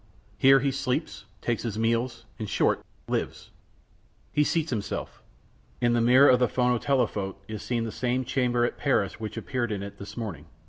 Here he sleeps, takes his meals, in short, lives. He seats himself. In the mirror of the phonotelephote is seen the same chamber at Paris which appeared in it this morning.